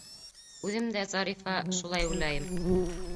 — Үҙем дә, Зарифа, шулай уйлайым.